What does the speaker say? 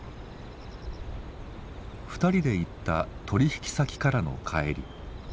２人で行った取引先からの帰り。